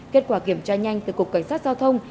kết quả kiểm tra nhanh từ cục cảnh sát giao thông